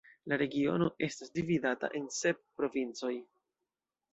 La regiono estas dividata en sep provincoj.